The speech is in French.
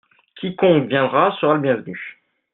Quiconque viendra sera le bienvenu.